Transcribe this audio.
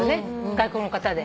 外国の方で。